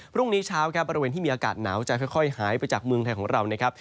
พรุ่งนี้เช้าครับบริเวณที่มีอากาศหนาวจะค่อยหายไปจากเมืองไทยของเรานะครับ